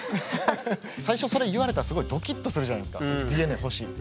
最初それ言われたらすごいドキッとするじゃないですか「ＤＮＡ欲しい」って。